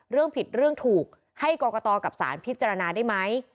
เรื่องผิดเรื่องถูกให้กรกตกับสารพิจารณาได้ไหม